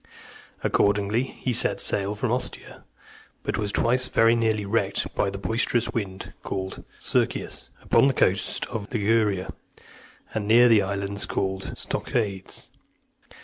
Accordingly, he set sail from Ostia, but was twice very near being wrecked by the boisterous wind called Circius , upon the coast of Liguria, and near the islands called Stoechades .